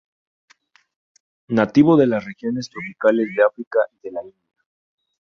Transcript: Nativo de las regiones tropicales de África y de la India.